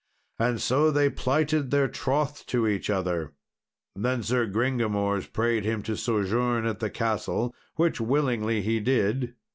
And so they plighted their troth to each other. Then Sir Gringamors prayed him to sojourn at the castle, which willingly he did.